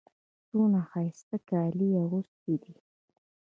څونه ښایسته کالي يې اغوستي دي.